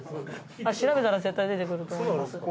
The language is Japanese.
調べたら絶対出てくると思います。